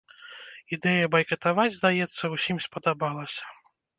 Ідэя байкатаваць, здаецца, усім спадабалася.